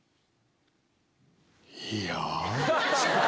いや。